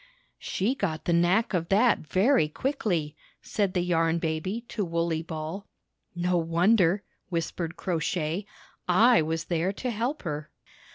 "She got the knack of that very quickly," said the Yarn Baby to Wooley Ball. "No wonder," whispered Crow Shay. "I was there to help her."